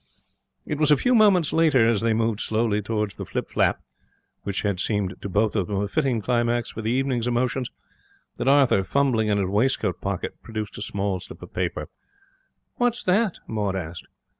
It was a few moments later, as they moved slowly towards the Flip Flap which had seemed to both of them a fitting climax for the evening's emotions that Arthur, fumbling in his waist coat pocket, produced a small slip of paper. 'What's that?' Maud asked.